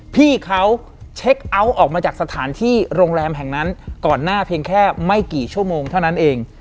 พี่เขาเช็คเอาท์ออกมาจากสถานที่โรงแรมแห่งนั้นก่อนหน้าเพียงแค่ไม่กี่ชั่วโมงเท่านั้นเอง